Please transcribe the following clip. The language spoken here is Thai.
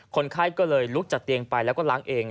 คนไข้ก็เลยลุกจากเตียงไปแล้วก็ล้างเอง